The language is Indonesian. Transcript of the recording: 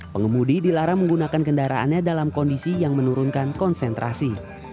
pengemudi dilarang menggunakan kendaraannya dalam kondisi yang menurunkan konsentrasi